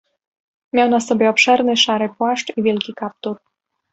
"Miał na sobie obszerny, szary płaszcz i wielki kaptur."